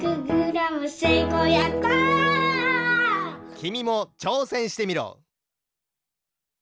きみもちょうせんしてみろ。